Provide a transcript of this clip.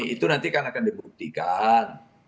itu nanti akan dibuktikan